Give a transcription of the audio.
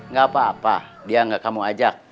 gak apa apa dia gak kamu ajak